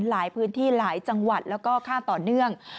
หลายพื้นที่หลายจังหวัดแล้วก็ค่าต่อเนื่อง